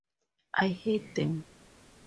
I hate them.